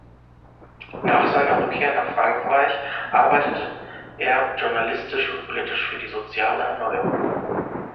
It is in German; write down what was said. Nach seiner Rückkehr nach Frankreich arbeitete er journalistisch und politisch für die soziale Erneuerung.